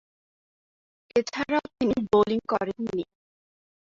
এছাড়াও তিনি বোলিং করেননি।